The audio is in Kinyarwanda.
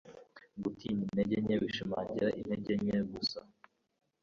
gutinya intege nke bishimangira intege nke gusa